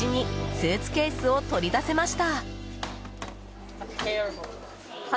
スーツケースを取り出せました。